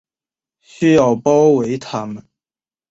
需要包围他们